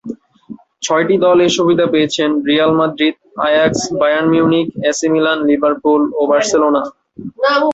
ছয়টি দল এই সুবিধা পেয়েছে: Real Madrid, Ajax, Bayern Munich, AC Milan, Liverpool এবং বার্সেলোনা।